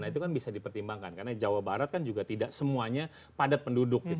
nah itu kan bisa dipertimbangkan karena jawa barat kan juga tidak semuanya padat penduduk